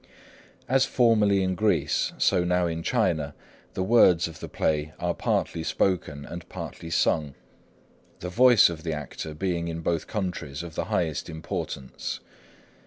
As formerly in Greece, so now in China, the words of the play are partly spoken and partly sung, the voice of the actor being, in both countries, of the highest importance.